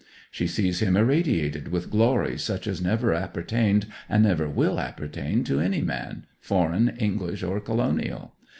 She sees him irradiated with glories such as never appertained and never will appertain to any man, foreign, English, or Colonial.